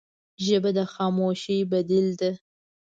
ژبه د خاموشۍ بدیل ده